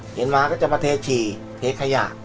เห็นมาก็จะมาเทฉี่เทขยะ